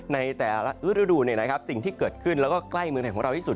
ในแต่ละฤดูสิ่งที่เกิดขึ้นแล้วก็ใกล้เมืองไทยของเราที่สุด